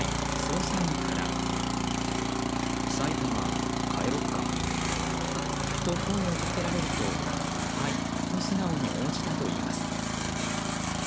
埼玉、帰ろっか。と、声をかけられるとはいと素直に応じたといいます。